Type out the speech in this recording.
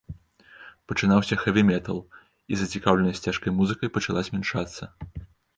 Пачынаўся хэві-метал, і зацікаўленасць цяжкай музыкай пачала змяншацца.